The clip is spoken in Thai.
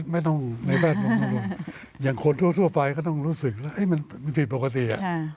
ไม่ต้องในแปลกอย่างคนทั่วไปก็ต้องรู้สึกว่ามันผิดปกติ